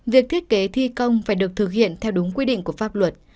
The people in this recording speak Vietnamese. việc thiết kế thi công phải được thực hiện theo đúng quy định của pháp luật